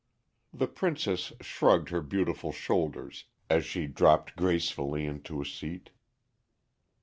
The Princess shrugged her beautiful shoulders as she dropped gracefully into a seat.